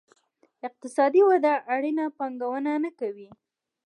اقتصادي وده اړینه پانګونه نه کوي.